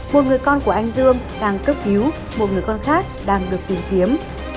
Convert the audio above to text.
một người con của anh dương đang cấp cứu một người con khác đang được tìm kiếm